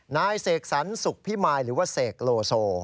นายเสกสรรสุขพิมายหรือว่าเสกโลโซ